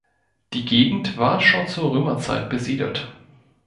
Die Gegend war schon zur Römerzeit besiedelt.